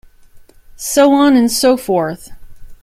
So on and so forth.